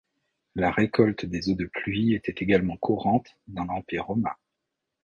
La récolte des eaux de pluie était également courante dans l'Empire romain.